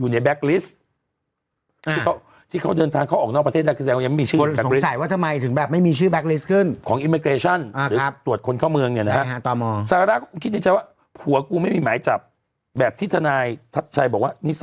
นี่ซาร่าเลยรีบชวนขาวกลับมาเมืองไทย